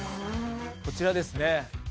こちらですね。